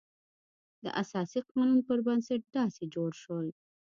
د اساسي قانون پر بنسټ داسې جوړ شول.